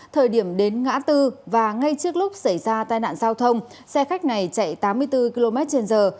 hai mươi chín nghìn bốn trăm tám mươi chín thời điểm đến ngã tư và ngay trước lúc xảy ra tai nạn giao thông xe khách này chạy tám mươi bốn km trên giờ